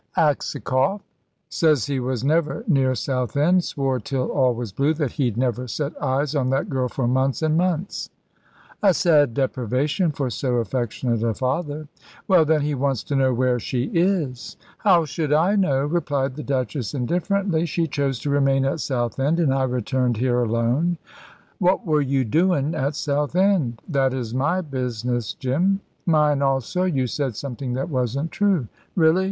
"Aksakoff! Says he was never near Southend. Swore till all was blue that he'd never set eyes on that girl for months an' months." "A sad deprivation for so affectionate a father." "Well, then, he wants to know where she is." "How should I know?" replied the Duchess, indifferently. "She chose to remain at Southend, and I returned here alone." "What were you doin' at Southend?" "That is my business, Jim!" "Mine also. You said something that wasn't true." "Really?